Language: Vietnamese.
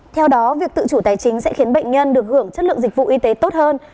theo đó việc tự chủ tài chính sẽ khiến bệnh nhân được hưởng chất lượng dịch vụ y tế tốt hơn